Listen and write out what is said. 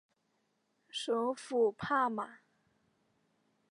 首府帕马。